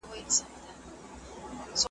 ما د قتل نوم دنيا ته دئ راوړى ,